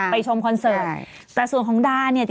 ไปชมคอนเสิร์ตแต่ส่วนของด้านเนี่ย